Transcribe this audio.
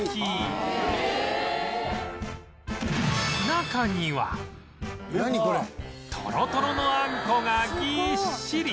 中にはトロトロのあんこがぎっしり！